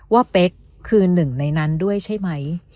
เป๊กคือหนึ่งในนั้นด้วยใช่ไหม